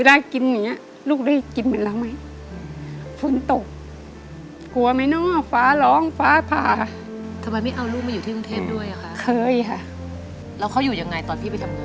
แล้วเขาอยู่อย่างไรตอนพี่ผ่ายไปทำงาน